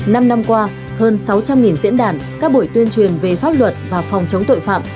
năm năm qua hơn sáu trăm linh diễn đàn các buổi tuyên truyền về pháp luật và phòng chống tội phạm